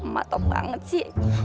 mak top banget ci